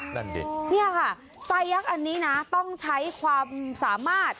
นั่นดิเนี่ยค่ะไซยักษ์อันนี้นะต้องใช้ความสามารถ